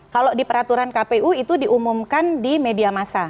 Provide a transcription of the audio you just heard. kalau di peraturan kpu itu diumumkan di media masa